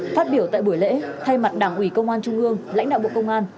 phát biểu tại buổi lễ thay mặt đảng ủy công an trung ương lãnh đạo bộ công an